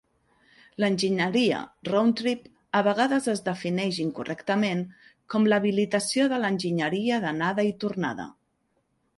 L"enginyeria round-trip a vegades es defineix incorrectament com l"habilitació de l"enginyeria d'anada i tornada.